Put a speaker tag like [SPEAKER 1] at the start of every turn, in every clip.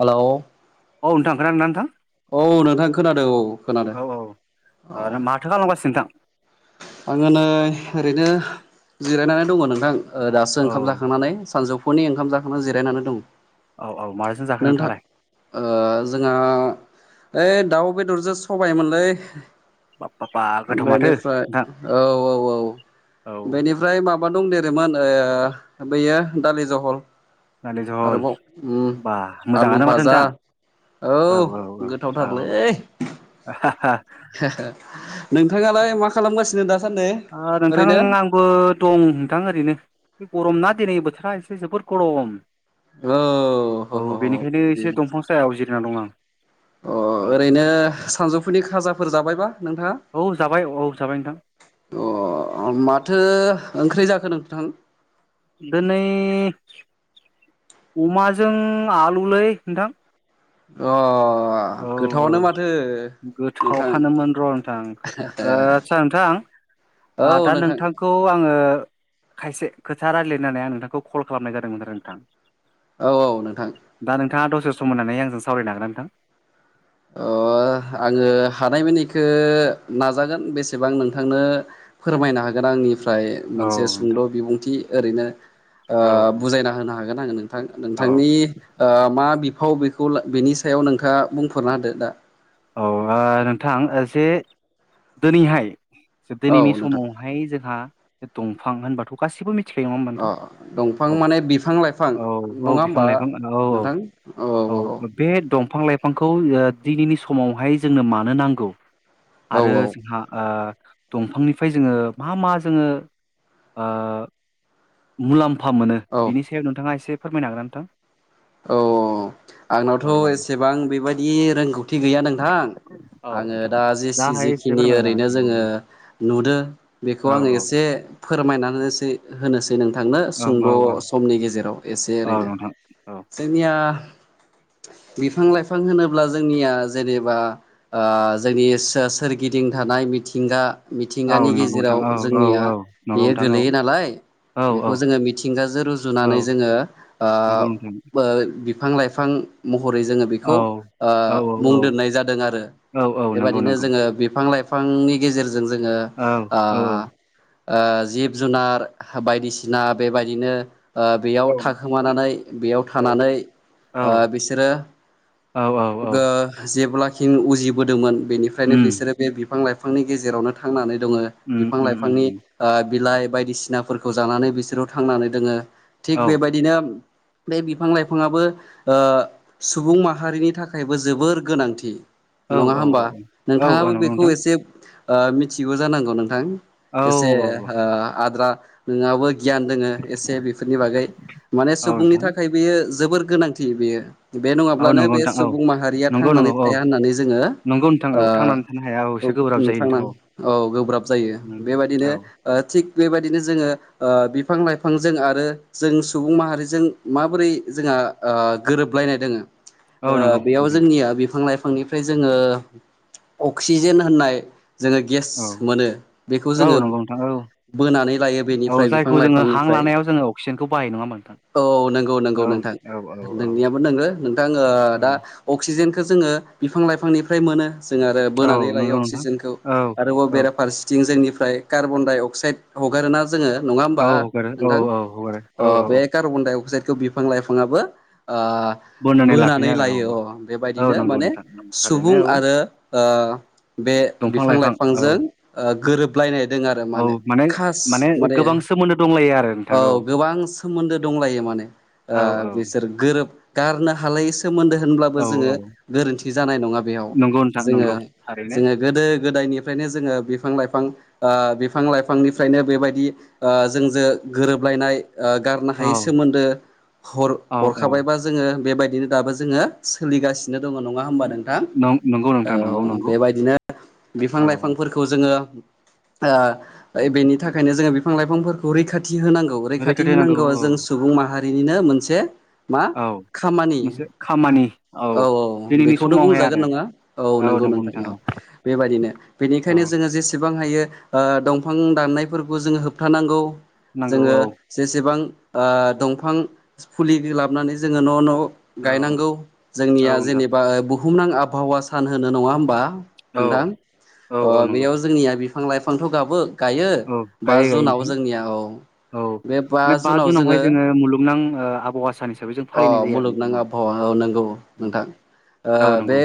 [SPEAKER 1] Hello
[SPEAKER 2] औ नोंथां खोना नोंथां
[SPEAKER 1] नोंथां खोनादों औ खोनादों
[SPEAKER 2] औ औ
[SPEAKER 1] औ
[SPEAKER 2] आरो माथो खालामगासिनो नोंथां?
[SPEAKER 1] आङो नै ओरैनो जिरायनानै दङ नोंथां दासो
[SPEAKER 2] औ
[SPEAKER 1] ओंखाम जाखांनानै सानजौफुनि ओंखाम जाखांनानै जिरायनानै दं।
[SPEAKER 2] औ औ माजों जाखो
[SPEAKER 1] नोंथां
[SPEAKER 2] नोंथाङालाय
[SPEAKER 1] ओ जोंहा ओइ दाउ बेदरजों सबायमोनलै
[SPEAKER 2] बा बा गोथाव माथो
[SPEAKER 1] औ बेनिफ्राय
[SPEAKER 2] नोंथां
[SPEAKER 1] औ औ
[SPEAKER 2] औ
[SPEAKER 1] बेनिफ्राय मा माबा दं देरोमोन बैयो दालि जहल
[SPEAKER 2] दालि जहल
[SPEAKER 1] आरोबाव उम
[SPEAKER 2] बा
[SPEAKER 1] आलु
[SPEAKER 2] मोजाङानो माथो
[SPEAKER 1] भाजा
[SPEAKER 2] नोंथां
[SPEAKER 1] औ गोथावथारलै नोंथाङालाय मा खालामगासिनो दा
[SPEAKER 2] ओ नोंथां आंबो दं नोंथां ओरैनो बे गरमना दिनै बोथोरा एसे जोबोर गरम
[SPEAKER 1] औ ह
[SPEAKER 2] औ
[SPEAKER 1] ह ह
[SPEAKER 2] बेनिखायनो
[SPEAKER 1] अके
[SPEAKER 2] एसे दंफां सायाव जिरना दं आं
[SPEAKER 1] अ
[SPEAKER 2] औ
[SPEAKER 1] ओरैनो
[SPEAKER 2] औ
[SPEAKER 1] सानजौफुनि खाजा फोर जाबायबा नोंथाङा
[SPEAKER 2] औ जाबाय औ जाबाय नोंथां
[SPEAKER 1] अ माथो ओंख्रि जाखो नोंथां
[SPEAKER 2] दिनै अमाजों आलुलै नोंथां
[SPEAKER 1] अ गोथावानो माथो
[SPEAKER 2] गोथाव
[SPEAKER 1] नोंथां
[SPEAKER 2] हानोमोन र' नोंथां आस्सा नोंथां
[SPEAKER 1] औ
[SPEAKER 2] आ दा
[SPEAKER 1] नोंथां
[SPEAKER 2] नोंथांखौ आङो खायसे खोथा रायज्लायनानै आं नोंथांखौ कल खालामनाय जादोंमोन आरो नोंथां
[SPEAKER 1] औ औ नोंथां
[SPEAKER 2] दा नोंथाङा दसे सम होननानै आंजों सावरायनो हागोनना नोंथां
[SPEAKER 1] अ आङो हानायमनिखौ नाजागोन बेसेबां नोंथांनो फोरमायनो हागोन आंनि ओमफ्राय
[SPEAKER 2] औ
[SPEAKER 1] मोनसे
[SPEAKER 2] नोंथां
[SPEAKER 1] सुंद' बिबुंथि ओरैनो ओ
[SPEAKER 2] औ
[SPEAKER 1] बुजायना होनो हागोन आङो नों थां
[SPEAKER 2] औ
[SPEAKER 1] नोंथांनि ओ मा बिफाव बेखौ बेनि सायाव नोंथाङा बुंफोरना होदो दा
[SPEAKER 2] औ ओ नोंथां जे दिनैहाय दिनैनि
[SPEAKER 1] औ नोंथां
[SPEAKER 2] समावहाय जोंहा दंफां होनबाथ' गासिबो मिथि खायो नङा होनबा
[SPEAKER 1] अ
[SPEAKER 2] नोंथां
[SPEAKER 1] दंफां
[SPEAKER 2] औ
[SPEAKER 1] माने बिफां लाइफां
[SPEAKER 2] औ औ
[SPEAKER 1] नङा
[SPEAKER 2] बिफां
[SPEAKER 1] होमबा
[SPEAKER 2] लाइफां औ औ औ बे दंफां लाइफांखौ ओ दिनैनि समावहाय जोंनो मानो नांगौ आरो
[SPEAKER 1] औ
[SPEAKER 2] जोंहा ओ दंफांनिफ्राय जोङो मा मा जोङो ओ मुलाम फा मोनो
[SPEAKER 1] औ
[SPEAKER 2] बिनि सायाव नोंथाङा एसे फोरमायनो हागोन नोंथां
[SPEAKER 1] औ आंनावथ'
[SPEAKER 2] नोंथां?
[SPEAKER 1] एसेबां बेबायदि रोंगौथि गैया नोंथां
[SPEAKER 2] औ
[SPEAKER 1] आङो
[SPEAKER 2] औ
[SPEAKER 1] दा
[SPEAKER 2] जा
[SPEAKER 1] जिसि
[SPEAKER 2] हायो एसे
[SPEAKER 1] जिखिनि
[SPEAKER 2] फोरमायना
[SPEAKER 1] ओरैनो
[SPEAKER 2] होलाय
[SPEAKER 1] जोङो
[SPEAKER 2] नोंथां
[SPEAKER 1] नुदों बेखौ
[SPEAKER 2] औ
[SPEAKER 1] आङो एसे फोरमायना होनोसो होनोसै नोंथांनो
[SPEAKER 2] औ
[SPEAKER 1] सुंद'
[SPEAKER 2] औ
[SPEAKER 1] समनि गेजेराव एसे
[SPEAKER 2] औ
[SPEAKER 1] ओरैनो
[SPEAKER 2] नोंथां औ
[SPEAKER 1] [unintelligible] बिफां लाइफां होनोब्ला जोंनिया जेनेबा ओ जोंनि सोरगिदिं थानाय मिथिंगा
[SPEAKER 2] औ
[SPEAKER 1] मिथिंगानि
[SPEAKER 2] नोंथां
[SPEAKER 1] गेजेराव जोंनिया
[SPEAKER 2] औ औ नंगौ
[SPEAKER 1] बेयो
[SPEAKER 2] नोंथां
[SPEAKER 1] गोलैयो नालाय
[SPEAKER 2] औ नंगौ नोंथां औ
[SPEAKER 1] बेखौ
[SPEAKER 2] औ औ
[SPEAKER 1] जोङो मिथिंगाजों
[SPEAKER 2] औ
[SPEAKER 1] रुजुनानै जोङो
[SPEAKER 2] नंगौ नोंथां
[SPEAKER 1] ओ ओ बिफां लाइफां म हरै जोङो
[SPEAKER 2] औ
[SPEAKER 1] बेखौ
[SPEAKER 2] औ
[SPEAKER 1] मुं
[SPEAKER 2] औ
[SPEAKER 1] दोननाय जादों आरो
[SPEAKER 2] औ औ नंगौ
[SPEAKER 1] बेबायदिनो
[SPEAKER 2] नंगौ
[SPEAKER 1] जोङो बिफां लाइफां बिफांनि गेजेरजों जोङो
[SPEAKER 2] औ
[SPEAKER 1] आ ओ जिब जुनार बायदिसिना बेबायदिनो ओ बेयाव
[SPEAKER 2] औ नंगौ नोंथां
[SPEAKER 1] थाखोमानानै बेयाव
[SPEAKER 2] औ
[SPEAKER 1] थानानै
[SPEAKER 2] औ
[SPEAKER 1] ओ बिसोरो
[SPEAKER 2] औ औ
[SPEAKER 1] ओ जेब्लाखिं उजिबोदोंमोन बेनिफ्रायनो
[SPEAKER 2] उम
[SPEAKER 1] बिसोरो बे बिफां लाइफांनि गेजेरावनो थांनानै दङो
[SPEAKER 2] उम
[SPEAKER 1] बिफां
[SPEAKER 2] उम उम
[SPEAKER 1] लाइफांनि
[SPEAKER 2] उम
[SPEAKER 1] ओ बिलाइ बायदिसिनाफोरखौ जानानै बिसोरो थांनानै दोङो थिग
[SPEAKER 2] औ
[SPEAKER 1] बेबायदिनो बे बिफां लाइफाङाआबो ओ सुबुं माहारिनि थाखायबो जोबोर गोनांथि
[SPEAKER 2] औ
[SPEAKER 1] नङा
[SPEAKER 2] औ
[SPEAKER 1] होमबा
[SPEAKER 2] औ औ
[SPEAKER 1] नोंथाङाबो
[SPEAKER 2] नंगौ
[SPEAKER 1] बेखौ
[SPEAKER 2] नोंथां
[SPEAKER 1] एसे ओ मिथिगौ जानांगौ नोंथां
[SPEAKER 2] औ
[SPEAKER 1] एसे
[SPEAKER 2] औ
[SPEAKER 1] ओ आद्रा नोंहाबो गियान दोङ एसे बेफोरनि बागै माने
[SPEAKER 2] औ
[SPEAKER 1] सुबुंनि
[SPEAKER 2] नोंथां
[SPEAKER 1] थाखाय बेयो जोबोर गोनांथि बेयो। बे
[SPEAKER 2] औ
[SPEAKER 1] नङाब्लानो
[SPEAKER 2] नंगौ
[SPEAKER 1] बे
[SPEAKER 2] नोंथां औ
[SPEAKER 1] सुबुं माहारिया
[SPEAKER 2] नंगौ
[SPEAKER 1] थांनानै
[SPEAKER 2] नंगौ औ
[SPEAKER 1] थाया होननानै जोङो
[SPEAKER 2] नंगौ नोंथां औ थांनानै थानो हाया औ
[SPEAKER 1] ओ
[SPEAKER 2] एसे गोब्राब
[SPEAKER 1] उम
[SPEAKER 2] जायो
[SPEAKER 1] थांना
[SPEAKER 2] नोंथां
[SPEAKER 1] औ गोब्राब जायो
[SPEAKER 2] उम औ
[SPEAKER 1] बेबायदिनो थिग बेबायदिनो जोङो ओ बिफां लाइफांजों आरो जों सुबुं माहारिजों माबोरै जोंहा ओ गोरोबलायनाय दोंङो
[SPEAKER 2] औ
[SPEAKER 1] ओ
[SPEAKER 2] नंगौ
[SPEAKER 1] बेयाव
[SPEAKER 2] नोंथां
[SPEAKER 1] जोंनिया बिफां लाइफां बिफांनिफ्राय जोङो अक्सिजेन होननाय जोङो गेस
[SPEAKER 2] औ
[SPEAKER 1] मोनो बेखौ
[SPEAKER 2] औ
[SPEAKER 1] जोङो
[SPEAKER 2] नंगौ नोंथां औ
[SPEAKER 1] बोनानै लायो
[SPEAKER 2] औ
[SPEAKER 1] बेनिफ्राय बिफां
[SPEAKER 2] जायखौ जोङो हां
[SPEAKER 1] लाइफांनिफ्राय
[SPEAKER 2] लानायाव जोङो अक्सिजेनखौ बाहायो नङा होमबा नोंथां
[SPEAKER 1] औ नों औ नंगौ नोंथां
[SPEAKER 2] औ औ औ
[SPEAKER 1] नोंनियाबो नोंगो नोंथां
[SPEAKER 2] औ
[SPEAKER 1] दा अक्सिजेन बिखौ जोङो बिफां लाइफांनिफ्राय मोनो जों आरो
[SPEAKER 2] औ
[SPEAKER 1] बोनानै लायो
[SPEAKER 2] नंगौ नोंथां
[SPEAKER 1] अक्सिजेनखौ
[SPEAKER 2] औ
[SPEAKER 1] आरोबाव
[SPEAKER 2] औ
[SPEAKER 1] बेराफारसेथिं जोंनि फ्राय कार्बन डाइ अक्साइड हगारोना जोङो नङा होमबा
[SPEAKER 2] औ हगारो औ
[SPEAKER 1] नोंथां
[SPEAKER 2] औ हगारो औ
[SPEAKER 1] अ बे
[SPEAKER 2] औ
[SPEAKER 1] कार्बन डाइ अक्साइदखौ बिफां लाइफाङाबो ओ
[SPEAKER 2] लाफिनो
[SPEAKER 1] बोनानै
[SPEAKER 2] आरो औ
[SPEAKER 1] लायो अ
[SPEAKER 2] औ
[SPEAKER 1] बेबायदिनो
[SPEAKER 2] नंगौ
[SPEAKER 1] माने
[SPEAKER 2] नोंथां थारैनो
[SPEAKER 1] सुबुं
[SPEAKER 2] औ
[SPEAKER 1] आरो ओ बे
[SPEAKER 2] दंफां
[SPEAKER 1] बिफां
[SPEAKER 2] लाइफां औ
[SPEAKER 1] लाइफांजों ओ गोरोबलायनाय दोङो आरो
[SPEAKER 2] औ
[SPEAKER 1] माने खाच माने
[SPEAKER 2] गोबां सोमोन्दो दंलायो आरो नोंथां
[SPEAKER 1] औ गोबां सोमोन्दो दंलायो माने
[SPEAKER 2] औ औ
[SPEAKER 1] बिसोर गोरोब गारनो हाला यि सोमोन्दो होनब्लाबो
[SPEAKER 2] औ
[SPEAKER 1] जोङो
[SPEAKER 2] औ
[SPEAKER 1] गोरोन्थि जानाय नङा बेयाव
[SPEAKER 2] नंगौ नोंथां
[SPEAKER 1] जोङो
[SPEAKER 2] नंगौ थारैनो
[SPEAKER 1] जोङो गोदो गोदायनिफ्रायनो जोङो बिफां लाइफां ओ बिफां लाइफांनिफ्रायनो बेबायदि जोंजों गोरोबलायनाय ओ गारनो
[SPEAKER 2] औ
[SPEAKER 1] हायै सोमोन्दो हर
[SPEAKER 2] औ औ
[SPEAKER 1] हरखाबायबा जोङो बेबायदिनो दाबो जोङो सोलिगासिनो दङ नङा होमबा नोंथां
[SPEAKER 2] नं नंगौ नोंथां नंगौ
[SPEAKER 1] औ
[SPEAKER 2] नंगौ
[SPEAKER 1] बेबायदिनो बिफां
[SPEAKER 2] औ
[SPEAKER 1] लाइफांफोरखौ जोङो ओ बेनि थाखायनो जोङो बिफां लाइफांफोरखौ रैखा थि होनांगौ रैखाथि होनांगौ जों सुबुं माहारिनिनो मोनसे मा
[SPEAKER 2] औ
[SPEAKER 1] खामानि
[SPEAKER 2] मोनसे खामानि
[SPEAKER 1] औ औ
[SPEAKER 2] दिनैनि
[SPEAKER 1] बेखौनो
[SPEAKER 2] समावहाय
[SPEAKER 1] बुंजागोन
[SPEAKER 2] आरो
[SPEAKER 1] नङा औ नंगौ। नंगौ नोंथां औ बेबादिनो
[SPEAKER 2] औ
[SPEAKER 1] बेनिखायनो जोङो जेसे बां हायो दंफां दाननायफोरखौ जोङो होबथानांगौ
[SPEAKER 2] नांगौ
[SPEAKER 1] जोङो
[SPEAKER 2] औ
[SPEAKER 1] जेसेबां ओ दंफां फुलि नानै जोङो न' न'
[SPEAKER 2] औ
[SPEAKER 1] गायनांगौ
[SPEAKER 2] औ
[SPEAKER 1] जोंनिया
[SPEAKER 2] नोंथां
[SPEAKER 1] जेनेबा बुहुमनां आबहावा सान होनो नङा होमबा
[SPEAKER 2] औ औ
[SPEAKER 1] नोंथां
[SPEAKER 2] औ नंगौ
[SPEAKER 1] बेयाव जोंनिया फांलाय फांथ' गाबो गायो
[SPEAKER 2] औ
[SPEAKER 1] बा
[SPEAKER 2] गायै गायै
[SPEAKER 1] जुनाव
[SPEAKER 2] नोंथां
[SPEAKER 1] जोंनिया औ बे बा जुनाव जोङो
[SPEAKER 2] नां ओ आबहावा सान हिसाबै जों
[SPEAKER 1] अ
[SPEAKER 2] फालिनाय जायो आरो
[SPEAKER 1] मुलुगनां
[SPEAKER 2] नोंथां
[SPEAKER 1] आबहावा औ नंगौ नोंथां ओ
[SPEAKER 2] औ
[SPEAKER 1] बे
[SPEAKER 2] नंगौ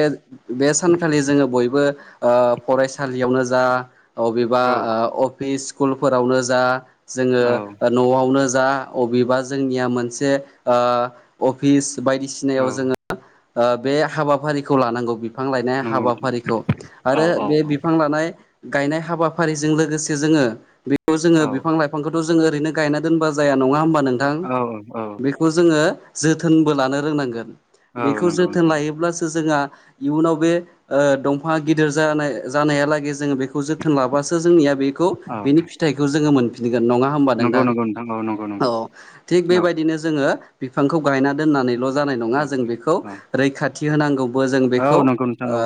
[SPEAKER 1] बे सानखालि जोङो बयबो फरायसालियावनो जा अबेबा
[SPEAKER 2] औ
[SPEAKER 1] अफिस स्कुलफोरावनो जा
[SPEAKER 2] औ
[SPEAKER 1] जोङो न'आवनो जा अबेबा जोंनिया मोनसे ओ अफिस बायदिसिनायाव
[SPEAKER 2] औ
[SPEAKER 1] जोङो बे ओ हाबाफारिखौ लानांगौ बिफां लायनाय
[SPEAKER 2] नंगौ नोंथां
[SPEAKER 1] हाबाफारिखौ
[SPEAKER 2] औ
[SPEAKER 1] आरो
[SPEAKER 2] औ
[SPEAKER 1] बे बिफां लानाय गायनाय हाबाफारिजों लोगोसे जोङो बेयाव जोङो बिफां लाइफांखौथ' जों ओरैनो गायना दोनबा जाया नङा होमबा नोंथां
[SPEAKER 2] औ औ औ
[SPEAKER 1] बेखौ जोङो जोथोनबो लानो रोंनांगोन
[SPEAKER 2] औ
[SPEAKER 1] बेखौ
[SPEAKER 2] नंगौ
[SPEAKER 1] जोथोन
[SPEAKER 2] नोंथां
[SPEAKER 1] लायोब्लासो जोंङा इयुनाव बे ओ दंफाङा गिदिर जानाय जानायालागै जों बेखौ जोथोन लाबासो जोंनिया बेखौ
[SPEAKER 2] औ
[SPEAKER 1] बेनि फिथाइखौ जोङो मोन नङा होमबा
[SPEAKER 2] नंगौ
[SPEAKER 1] नोंथां
[SPEAKER 2] नंगौ औ नंगौ
[SPEAKER 1] अ
[SPEAKER 2] नंगौ
[SPEAKER 1] थिग
[SPEAKER 2] औ
[SPEAKER 1] बेबायदिनो जोङो बिफांखौ गायना दोननानैल' जानाय नङा
[SPEAKER 2] औ
[SPEAKER 1] जों बेखौ रैखाथि होनांगौ। बो जों
[SPEAKER 2] औ औ
[SPEAKER 1] बेखौ
[SPEAKER 2] नंगौ नोंथां
[SPEAKER 1] ओ
[SPEAKER 2] औ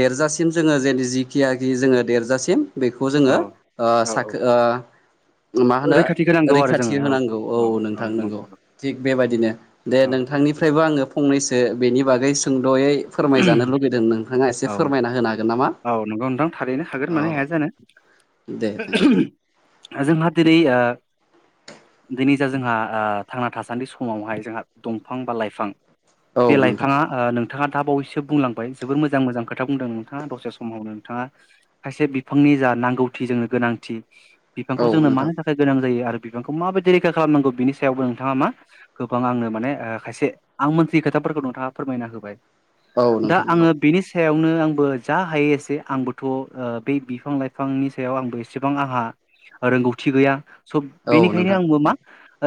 [SPEAKER 1] देरजासिम जोङो जे जिखियाखि जोङो देरजासिम बेखौ
[SPEAKER 2] औ
[SPEAKER 1] जोङो ओ
[SPEAKER 2] औ औ
[SPEAKER 1] साखो मा होनो
[SPEAKER 2] रैखाथि होनांगौ आरो
[SPEAKER 1] रैखाथि
[SPEAKER 2] जोङो
[SPEAKER 1] होनांगौ औ
[SPEAKER 2] औ
[SPEAKER 1] नोंथां नंगौ थिग बेबायदिनो दे
[SPEAKER 2] औ
[SPEAKER 1] नोंथांनिफ्रायबो आङो फंनैसो बेनि बागै सों दयै फोरमायजानो लुुबैदों नोंथाङा एसे
[SPEAKER 2] औ
[SPEAKER 1] फोरमायना होनो हागोन नामा
[SPEAKER 2] औ नंगौ नोंथां थारैनो हागोन
[SPEAKER 1] औ
[SPEAKER 2] [inaudible]
[SPEAKER 1] दे दे
[SPEAKER 2] जोंहा दिनै ओ दिनै जा जोंहा ओ थांना थासान्दि समावहाय जोंहा दंफां बा लाइफां बे
[SPEAKER 1] नोंथां
[SPEAKER 2] लाइफाङा ओ नोंथाङा दा बावैसो बुंलांबाय जोबोर मोजां मोजां खोथा बुंदों नोंथाङा दसे समावनो नोंथाङा खायसे बिफांनि जा नांगौथि जोंनो गोनांथि
[SPEAKER 1] औ नोंथां औ
[SPEAKER 2] बिफांखौ जोंनो
[SPEAKER 1] नोंथां
[SPEAKER 2] मानो थाखाय गोनां जायो आरो बिफांखौ माबायदि रैखा खालामनांगौ बिनि सायावबो नोंथाङा मा गोबां आंनो माने खायसे आं मोनथियि खोथा नोंथाङा फोरमायना होबाय
[SPEAKER 1] औ
[SPEAKER 2] दा
[SPEAKER 1] नोंथां
[SPEAKER 2] आङो बेनि सायावनो आंबो जा हायो एसे आंबोथ' बे बिफां लाइफांनि सायाव आंबो एसेबां आंहा रोंगौथि गैया स'
[SPEAKER 1] औ औ
[SPEAKER 2] बेनिखायनो
[SPEAKER 1] नोंथां
[SPEAKER 2] आंबो
[SPEAKER 1] औ
[SPEAKER 2] मा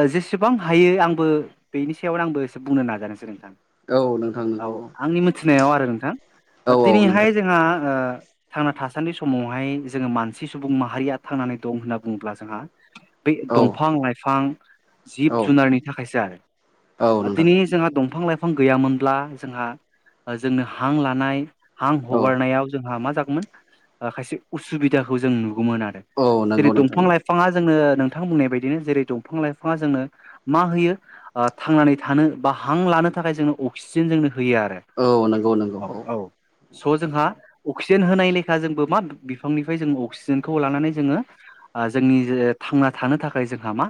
[SPEAKER 2] जे जेसेबां हायो आंबो बेनि सायावनो आंबो एसे बुंनो नाजानोसै नोंथां
[SPEAKER 1] औ नोंथां नंगौ औ
[SPEAKER 2] आंनि मिथिनायाव आरो नोंथां
[SPEAKER 1] औ
[SPEAKER 2] दिनैहाय
[SPEAKER 1] नोंथां
[SPEAKER 2] जोंहा ओ थांना थासान्दि समावहाय जोङो मानसि सुबुं माहारिया थांनानै दं होनना बुङोब्ला जोंहा बे
[SPEAKER 1] औ
[SPEAKER 2] दंफां लाइफां
[SPEAKER 1] औ
[SPEAKER 2] जिब जुनारनि थाखायसो आरो
[SPEAKER 1] औ नोंथां
[SPEAKER 2] दिनै जोंहा दंफां लाइफां गैयामोनब्ला जोंहा जोंनो हां लानाय हां
[SPEAKER 1] औ
[SPEAKER 2] हगारनायाव जोंहा मा जा गौमोन खायसे उसुबिदाखौ जों नुगौमोन आरो
[SPEAKER 1] औ नंगौ
[SPEAKER 2] जेरै
[SPEAKER 1] नोंथां
[SPEAKER 2] दंफां लाइफाङा जोंनो नोंथां बुंनाय बायदिनो जेरै दफां लाइफाङा जोंनो मा होयो थांनानै थानो बा हां लानो थाखाय जोंनो अक्सिजेन जोंनो होयो आरो
[SPEAKER 1] औ नंगौ नंगौ औ
[SPEAKER 2] स' जोंहा अक्सिजेन होनाय लेखा जोंबो मा बिफांनिफ्राय जों अक्सिजेनखौ लानानै जोङो जोंनि थांना थानो थाखाय जोंहा मा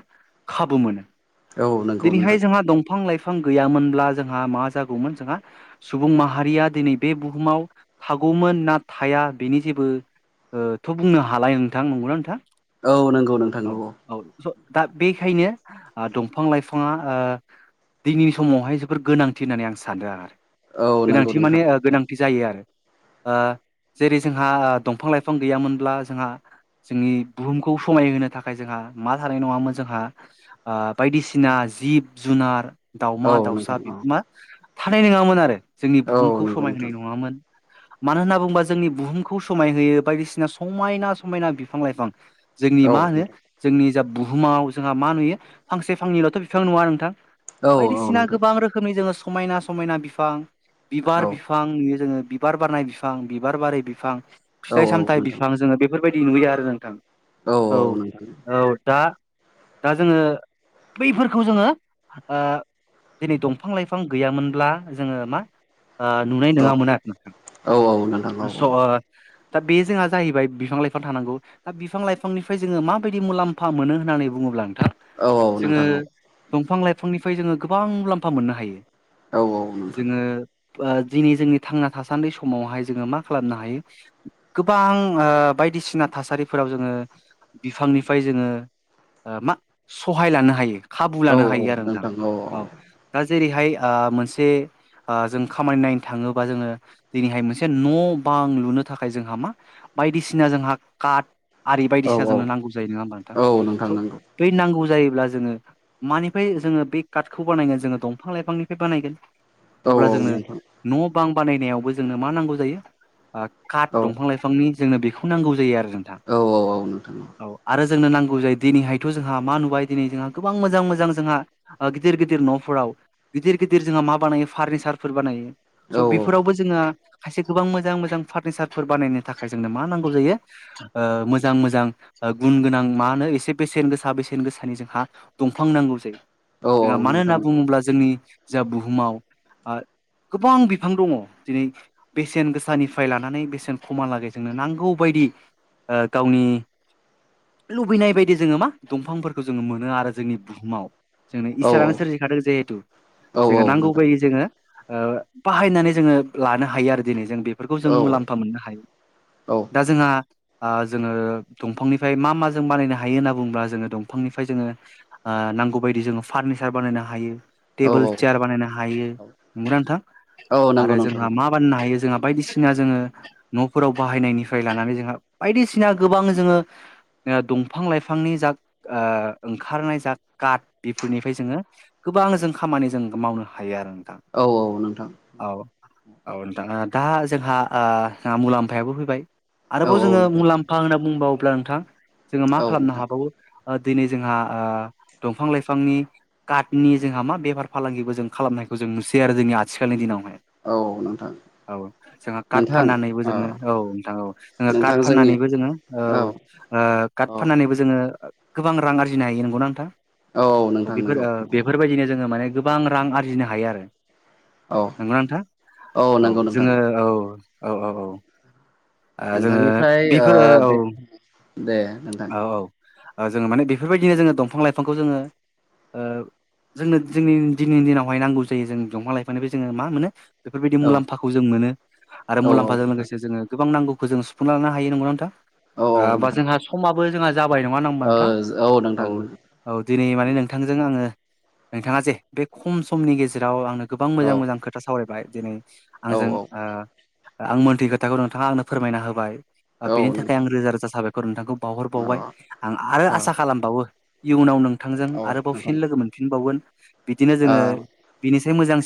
[SPEAKER 2] खाबु मोनो
[SPEAKER 1] औ नंगौ
[SPEAKER 2] दिनैहाय
[SPEAKER 1] नोंथां
[SPEAKER 2] जोंहा दंफां लाइफां गैयामोनब्ला जोंहा मा जागौमोन जोंहा सुबुं माहारिया दिनै बे बुहुमाव थागौमोन ना थाया बेनि जेबो थ' बुंनो हालाय नोंथां नंगौना नोंथां
[SPEAKER 1] औ नंगौ नोंथां
[SPEAKER 2] औ औ स' दा बेखायनो दंफां लाइफाङा ओ दिनैनि समावहाय जोबोर गोनांथि होननानै आं सानदों आरो
[SPEAKER 1] औ नंगौ
[SPEAKER 2] गोनांथि
[SPEAKER 1] नोंथां
[SPEAKER 2] माने गोनांथि जायो आरो ओ जेरै जोंहा दंफां लाइफां गैयामोनब्ला जोंहा जोंनि बुहुमखौ समायहोनो थाखाय जोंहा मा थानाय नङामोन जोंहा ओ बायदिसिना जिब जुनार
[SPEAKER 1] औ
[SPEAKER 2] दावमा दाउसा
[SPEAKER 1] नोंथां
[SPEAKER 2] बे
[SPEAKER 1] औ
[SPEAKER 2] मा थानाय नङामोन आरो जोंनि
[SPEAKER 1] औ
[SPEAKER 2] बुहुमखौ
[SPEAKER 1] नंगौ
[SPEAKER 2] समाय होनाय
[SPEAKER 1] नोंथां
[SPEAKER 2] नङामोन मानो होनना बुङोबा जोंनि बुहुमखौ समाय होयो बायदिसिना समायना समायना बिफां लाइफां जोंनि
[SPEAKER 1] औ
[SPEAKER 2] मा होनो
[SPEAKER 1] नोंथां
[SPEAKER 2] जोंनि जा बुहुमाव जोंहा मा नुयो फांसे फांनैल'थ' बिफां नुवा नोंथां
[SPEAKER 1] औ औ
[SPEAKER 2] बायदिसिना
[SPEAKER 1] नोंथां
[SPEAKER 2] गोबां रोखोमनि जोङो समायना समायना बिफां
[SPEAKER 1] औ
[SPEAKER 2] बिबार बिफां नुयो जोङो बिबार बारनाय बिफां बिबार बारि बिफां फिथाइ
[SPEAKER 1] औ नोंथां औ नोंथां औ नोंथां औ
[SPEAKER 2] सामथाइ
[SPEAKER 1] नोंथां
[SPEAKER 2] बिफां जोङो बेफोरबायदि नुयो आरो नोंथां औ औ दा दा जोङो बैफोरखौ जोङो ओ दिनै दंफां लाइफां गैयामोनब्ला जोङो मा ओ नुनाय नङामोन आरो ना नोंथां स' दा बे जोंहा जाहैबाय बिफां लाइफां थानांगौ दा बिफां लाइफांनिफ्राय जोङो माबायदि मुलाम्फा मोनो होननानै बुङोब्ला जोङो
[SPEAKER 1] नोंथां औ नोंथां
[SPEAKER 2] दंफां लाइफांनिफ्राय जोङो गोबां मुलाम्फा मोननो हायो
[SPEAKER 1] औ औ नोंथां
[SPEAKER 2] जोङो दिनै जोंनि थांना थासान्दि समावहाय जोङो मा खालामनो हायो गोबां बाय बायदिसिना थासारिफोराव जोङो बिफांनिफ्राय जोङो मा सहाय लानो हायो खाबु लानो हायो आरो नोंथां औ दा जेरैहाय मोनसे जों खामानि नायनो थाङोबा जोङो दिनैहाय मोनसे न' बां लुनो थाखाय जोंहा मा बायदिसिना जोंहा काट आरि
[SPEAKER 1] औ
[SPEAKER 2] बायदिसिना जोंनो नांगौ जायो नङा होमबा नोंथां
[SPEAKER 1] औ औ
[SPEAKER 2] स
[SPEAKER 1] नंगौ
[SPEAKER 2] बै नांगौ जायो अब्ला जोङो मानिफ्राय जोङो बे काटखौ बानायगोन जोङो दंफां लाइफांनिफ्राय बानायगोन
[SPEAKER 1] औ
[SPEAKER 2] अब्ला
[SPEAKER 1] औ
[SPEAKER 2] जोंनो
[SPEAKER 1] नोंथां
[SPEAKER 2] न' बां बानायनायावबो जोंनो मा नांगौ जायो काट
[SPEAKER 1] औ
[SPEAKER 2] दंफां लाइफांनि जोंनो बेखौ नांगौ जायो आरो नोंथां
[SPEAKER 1] औ औ औ नोंथा
[SPEAKER 2] औ आरो जोंनो नांगौ जायो दिनैहायथ जोंहा मा नुबाय दिनै जोंहा गोबां मोजां मोजां जोंहा गिदिर गिदिर न'फोराव गिदिर गिदिर जोंहा मा बानायो फार्निचार फोर बानायो
[SPEAKER 1] औ
[SPEAKER 2] स' बेफोरावबो जोङो खायसे गोबां मोजां मोजां फारनिचार फोर बानायनो थाखाय जोंनो मा नांगौ जायो मोजां मोजां गुन गोनां मा होनो एसे बेसेन गोसा बेसेन गोसानि जोंहा दंफां नांगौ जायो
[SPEAKER 1] औ
[SPEAKER 2] जों
[SPEAKER 1] औ
[SPEAKER 2] मानो होनना
[SPEAKER 1] नोंथां
[SPEAKER 2] बुङोब्ला जोंनि जा बुहुमाव गोबां बिफां दङ दिनै बेसेन गोसानिफ्राय लानानै बेसेन खमहालागै जोंनो नांगौ बायदि गावनि लुबैनाय बायदि जोङो मा दंफांफोरखौ जोङो मोनो आरो जोंनि बुहुमाव जोंनो
[SPEAKER 1] औ
[SPEAKER 2] इसोरानो सोरजिखादों जिहेथु
[SPEAKER 1] औ औ
[SPEAKER 2] जोंङनो नांगौ
[SPEAKER 1] नोंथां
[SPEAKER 2] बाहनानै जोङो ल हायो आरो दिनै जों बे बेफोरखौ जों
[SPEAKER 1] औ
[SPEAKER 2] मुलाम्फा मोननो हायो दा जोंहा जोङो दंफांनिफ्राय मा मा जों बानायनो हायो होनना बुङोब्ला जोङो दंफांनिफ्राय जोङो नांगौ बायदि जोङो फार्निचार बानायनो हायो
[SPEAKER 1] औ
[SPEAKER 2] टेबोल चेयार बानायनो हायो नंना नोंथां
[SPEAKER 1] औ औ नंगौ
[SPEAKER 2] आरो
[SPEAKER 1] नोंथां
[SPEAKER 2] जोंहा मा बानायनो हायो जोंहा बायदिसिना जोङो न'फोराव बाहायनायनिफ्राय लानानै जोंहा बायदिसिना गोबां जोङो दंफां लाइफांनि जा ओंखारनाय जा काट बेफोरनिफ्राय जोङो गोबां जों खामानि जों मावनो हायो आरो नोंथां
[SPEAKER 1] औ औ नोंथां
[SPEAKER 2] औ औ दा जोंहा जहा मुलाम्फायाबो फैबाय
[SPEAKER 1] औ
[SPEAKER 2] आरोबाव
[SPEAKER 1] औ
[SPEAKER 2] जोङो
[SPEAKER 1] नोंथां
[SPEAKER 2] मुलाम्फा होनना बुंबावोब्ला नोंथां जोङो मा
[SPEAKER 1] औ
[SPEAKER 2] खालामनो
[SPEAKER 1] नोंथां
[SPEAKER 2] हाबावो दिनै जोंहा दंफां लाइफांनि काटनि जोंहा मा बेफार फालांगिबो जों खालामनायखौ जों नुसयो आरो जोंनि आथिखालनि दिनावहाय
[SPEAKER 1] औ नोंथां
[SPEAKER 2] औ जोंहा काट
[SPEAKER 1] नोंथां
[SPEAKER 2] फाननानैबो
[SPEAKER 1] अ
[SPEAKER 2] जोङो औ नोंथां औ जोङो काट
[SPEAKER 1] नोंथां जोंनि
[SPEAKER 2] फाननानैबो जोङो औ कार्ड
[SPEAKER 1] अ
[SPEAKER 2] फाननानैबो जोङो गोबां रां आरजिनो हायो नंगौना नोंथां
[SPEAKER 1] औ नोंथां
[SPEAKER 2] बेफोर
[SPEAKER 1] नंगौ
[SPEAKER 2] बेफोरबायदिनो जोङो माने गोबां रां आरजिनो हायो आरो
[SPEAKER 1] औ
[SPEAKER 2] नंगौ नोंथां औ
[SPEAKER 1] नंगौ नोंथां
[SPEAKER 2] जोङो औ औ औ औ जोङो
[SPEAKER 1] नोंथांनिफ्राय ओ
[SPEAKER 2] बेफोरो औ
[SPEAKER 1] बे दे नोंथां
[SPEAKER 2] औ औ जोङो माने बेफोरबायदिनो जोङो दंफां लाइफांखौ जोङो जोंनो जोंनि दिनैनि दिनाव बेहाय नांगौ जायो जों दंफां लाइफानायबो जोङो मा मोनो बेफोरबायदि
[SPEAKER 1] औ
[SPEAKER 2] मुलाम्फाखौ जों मोनो आरो
[SPEAKER 1] औ
[SPEAKER 2] मुलाम्फाजों
[SPEAKER 1] नोंथां
[SPEAKER 2] लोगोसे जोङो गोबां नांगौ जों सुुफुंना लानो हायो नंगौना नोंथां?
[SPEAKER 1] औ
[SPEAKER 2] आ
[SPEAKER 1] औ
[SPEAKER 2] बा
[SPEAKER 1] नोंथां
[SPEAKER 2] जोंहा समाबो जोंहा जाबाय नङा ना होमबा नोंथां?
[SPEAKER 1] ओ
[SPEAKER 2] औ
[SPEAKER 1] नोंथां
[SPEAKER 2] औ दिनै माने नोंथांजों आङो नोंथाङा जे बे खम समनि गेजेराव आंनो गोबां
[SPEAKER 1] औ
[SPEAKER 2] मोजां मोजां खोथा सावरायबाय दिनै
[SPEAKER 1] औ
[SPEAKER 2] आंजों ओ आं मोनथियि खोथाखौ नोंथाङा आंनो फोरमायना होबाय
[SPEAKER 1] औ
[SPEAKER 2] बेनि थाखाय
[SPEAKER 1] नोंथां
[SPEAKER 2] आं रोजा रोजा साबायखर नोंथांखौ
[SPEAKER 1] अ
[SPEAKER 2] बावहरबावबाय। आं आरो
[SPEAKER 1] औ
[SPEAKER 2] आसा खालामबावो इयुनाव नोंथांजों
[SPEAKER 1] औ
[SPEAKER 2] आरोबाव फिन
[SPEAKER 1] नोंथां
[SPEAKER 2] लोगो मोनफिनबावगोन बिदिनो जोङो
[SPEAKER 1] ओ
[SPEAKER 2] बिनिसाय मोजां